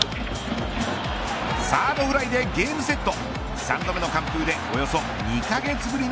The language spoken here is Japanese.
サードフライでゲームセット。